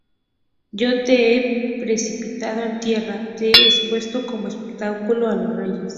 Yo te he precipitado en tierra, te he expuesto como espectáculo a los reyes.